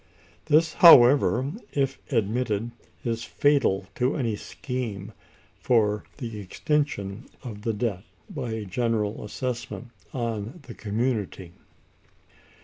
This, however, if admitted, is fatal to any scheme for the extinction of the debt by a general assessment on the community.